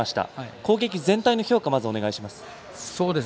攻撃全体の評価をお願いいたします。